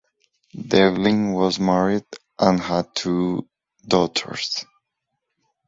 Devlin was married and had two daughters.